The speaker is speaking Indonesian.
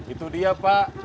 itu dia pak